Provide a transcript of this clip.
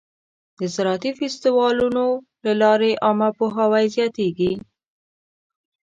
د زراعتي فستیوالونو له لارې عامه پوهاوی زیاتېږي.